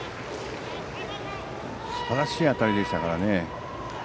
すばらしい当たりでしたからね。